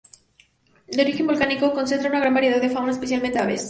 De origen volcánico, concentra una gran variedad de fauna, especialmente aves.